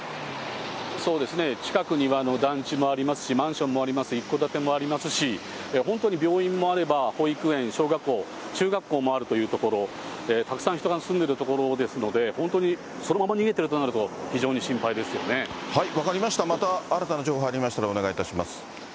そうですね、近くには団地もありますし、マンションもあります、一戸建てもありますし、本当に病院もあれば、保育園、小学校、中学校もあるというところ、たくさん人が住んでる所ですので、本当にそのまま逃げてるとなると、分かりました、また新たな情報が入りましたらお願いいたします。